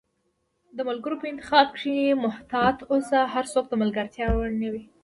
د ملګرو په انتخاب کښي محتاط اوسی، هرڅوک د ملګرتیا وړ نه وي